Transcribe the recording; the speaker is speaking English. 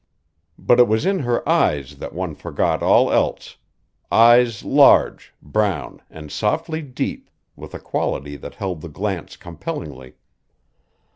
But it was in her eyes that one forgot all else, eyes large, brown, and softly deep, with a quality that held the glance compellingly.